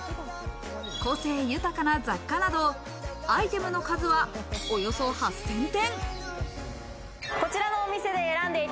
個性豊かな雑貨など、アイテムの数はおよそ８０００点。